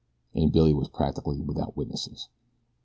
And Billy was practically without witnesses.